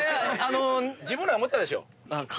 自分らや思うてたでしょ？